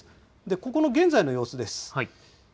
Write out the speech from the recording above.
ここの現在の様子です。